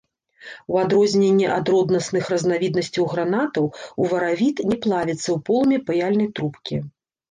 У адрозненне ад роднасных разнавіднасцяў гранатаў, уваравіт не плавіцца ў полымі паяльнай трубкі.